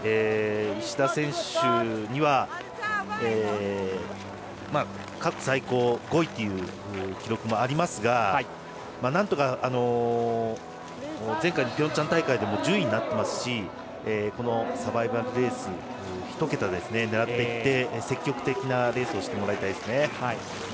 石田選手には過去最高５位という記録もありますが前回のピョンチャン大会でも１０位になっていますしこのサバイバルレースでは１桁を狙っていって、積極的なレースをしてもらいたいですね。